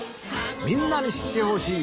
みんなにしってほしい